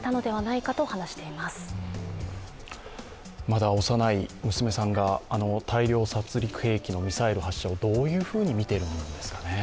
まだ幼い娘さんが大量殺りく兵器のミサイル発射をどういうふうに見ているんですかね。